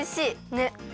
ねっ！